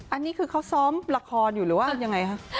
อันนี้คือเขาซ้อมละครอยู่หรือว่ายังไงฮะ